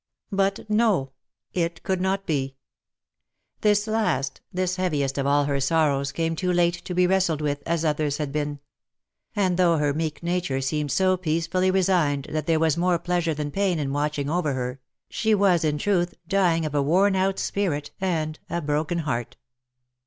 But no, it could not be ! This last, this heaviest of all her sorrows came too late to be wrestled with, as others had been ; and though her meek nature seemed so peacefully resigned, that there was more pleasure than pain in watching over her, she was, in truth, dying of a worn out spirit and a broken heart.